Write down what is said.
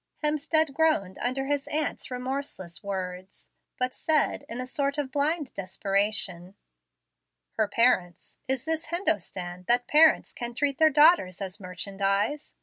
Hemstead groaned under his aunt's remorseless words, but said in a sort of blind desperation: "Her parents! Is this Hindostan, that parents can treat their daughters as merchandise?